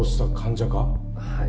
はい。